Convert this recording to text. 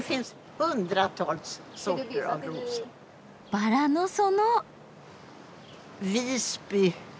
バラの園！